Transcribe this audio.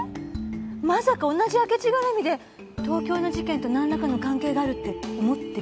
まさか同じ明智がらみで東京の事件となんらかの関係があるって思ってる？